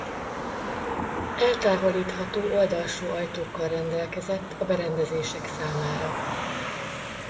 Eltávolítható oldalsó ajtókkal rendelkezett a berendezések számára.